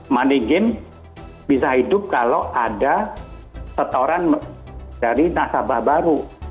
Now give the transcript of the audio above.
money game bisa hidup kalau ada setoran dari nasabah baru